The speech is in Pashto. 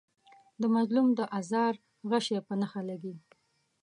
د مظلوم د آزار غشی په نښه لګي.